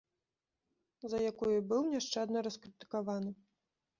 За якую і быў няшчадна раскрытыкаваны.